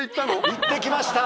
行ってきました！